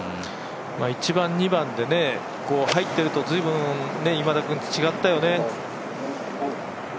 １番、２番で入っているとずいぶん違ったよね。